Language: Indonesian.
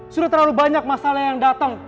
sudah terlalu banyak masalah yang datang